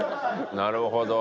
なるほど。